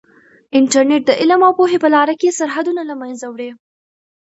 انټرنیټ د علم او پوهې په لاره کې سرحدونه له منځه وړي.